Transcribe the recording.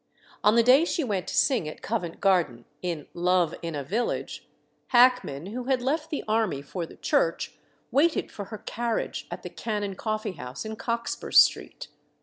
On the day she went to sing at Covent Garden in "Love in a Village," Hackman, who had left the army for the church, waited for her carriage at the Cannon Coffee house in Cockspur Street.